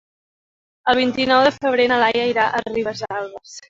El vint-i-nou de febrer na Laia irà a Ribesalbes.